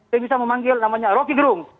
saya bisa memanggil namanya roki gerung